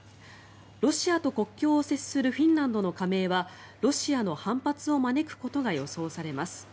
ロシアと国境を接するフィンランドの加盟はロシアの反発を招くことが予想されます。